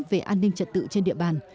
về an ninh trật tự trên địa bàn